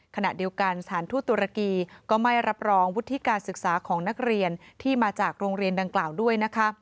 ขณะเดียวกันสถานทูตตุรกีก็ไม่รับรองวุฒิการศึกษาของนักเรียนที่มาจากโรงเรียนดังกล่าวด้วยนะคะ